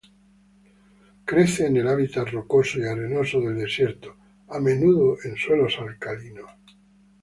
Crece en el hábitat rocoso y arenoso del desierto, a menudo en suelos alcalinos.